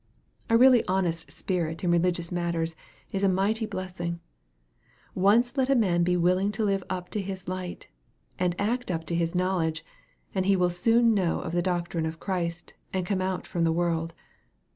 A really honest spirit in religious matters is a mighty blessing. Once let a man be willing to live up to his light, and act up to his knowledge, and he will soon know of the doctrine of Christ, and come out from the world.